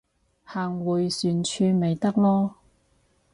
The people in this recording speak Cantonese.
行迴旋處咪得囉